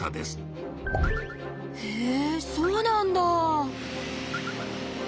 へぇそうなんだ！